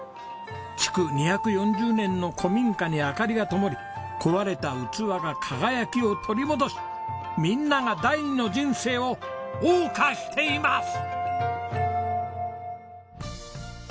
築２４０年の古民家に明かりがともり壊れた器が輝きを取り戻しみんなが第二の人生を謳歌しています！